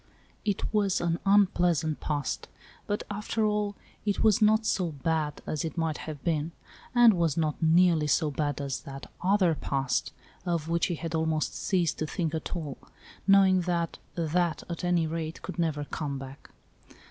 It was an unpleas ant past, but, after all, it was not so bad as it might have been, and Was not nearly so bad as that "other past" of which he had almost ceased to think at all, knowing that " that," at any rate, could never come back.